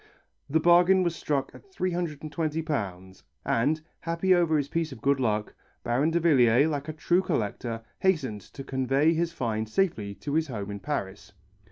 The bargain was struck at £320 and, happy over his piece of good luck, Baron Davillier, like a true collector, hastened to convey his find safely to his home in Paris.